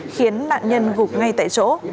khiến nạn nhân gục ngay tại chỗ